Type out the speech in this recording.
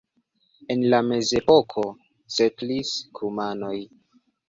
En la mezepoko setlis kumanoj.